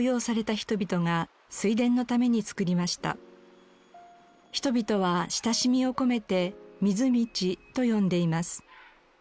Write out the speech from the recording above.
人々は親しみを込めて「みずみち」と呼んでいます。